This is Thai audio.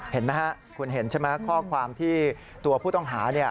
เห็นไหมครับคุณเห็นใช่ไหมข้อความที่ตัวผู้ต้องหา